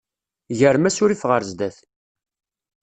Grem asurif ɣer sdat.